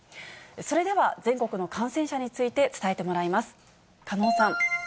それでは、全国の感染者について伝えてもらいます。